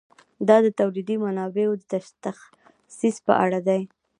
دا د تولیدي منابعو د تخصیص په اړه دی.